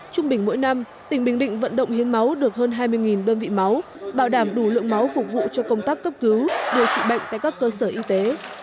trung bình mỗi năm tỉnh bình định vận động hiến máu được hơn hai mươi đơn vị máu bảo đảm đủ lượng máu phục vụ cho công tác cấp cứu điều trị bệnh tại các cơ sở y tế